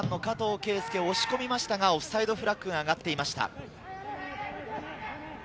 裕、押し込みましたがオフサイドフラッグが上がっていました。